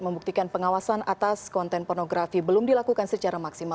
membuktikan pengawasan atas konten pornografi belum dilakukan secara maksimal